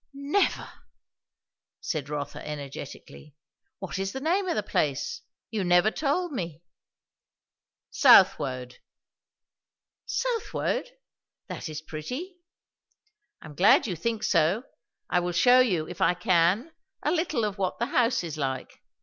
"Never!" said Rotha energetically. "What is the name of the place? you never told me." "Southwode." "Southwode! That is pretty." "I am glad you think so. I will shew you, if I can, a little what the house is like."